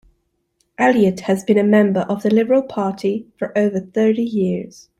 Elliott has been a member of the Liberal Party for over thirty years.